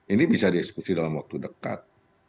ini bisa dieksekusi dalam waktu dekat